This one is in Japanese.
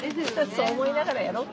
そう思いながらやろう。